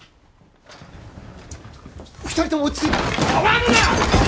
２人とも落ち着いて触んな！